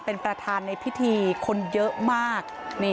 เป็นประธานในพิธีคนเยอะมาก